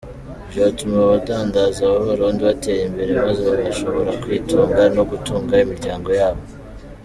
'Vyotuma abadandaza b’abarundi batera imbere maze bagashobora kwitunga no gutunga imiryango yabo '.